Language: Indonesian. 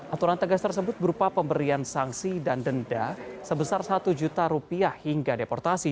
aturan tegas tersebut berupa pemberian sanksi dan denda sebesar satu juta rupiah hingga deportasi